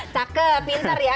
cakep pinter ya